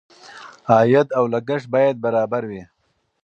عاید او لګښت باید برابر وي.